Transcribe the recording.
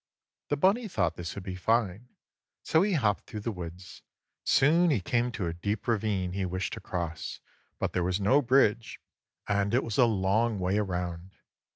The bunny thought this would be fine. So he hopped through the woods. Soon he came to a deep ravine he wished to cross, but there was no bridge and it was a long way around.